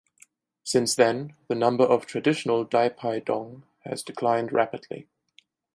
Since then, the number of traditional "dai pai dong" has declined rapidly.